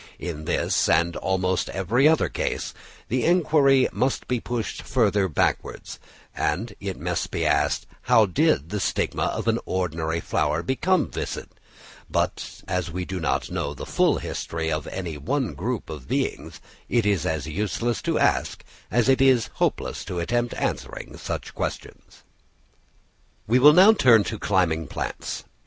In this, and in almost every other case, the enquiry may be pushed further backwards; and it may be asked how did the stigma of an ordinary flower become viscid, but as we do not know the full history of any one group of beings, it is as useless to ask, as it is hopeless to attempt answering, such questions. We will now turn to climbing plants.